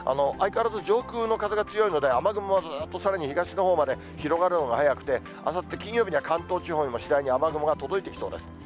相変わらず上空の風が強いので、雨雲はずっと、さらに東のほうまで広がるのがはやくて、あさって金曜日には関東地方にも次第に雨雲が届いてきそうです。